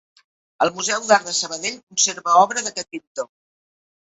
El Museu d'Art de Sabadell conserva obra d'aquest pintor.